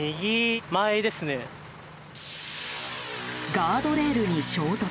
ガードレールに衝突。